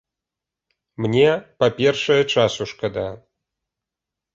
Мне, па-першае, часу шкада.